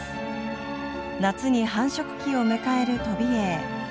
夏に繁殖期を迎えるトビエイ。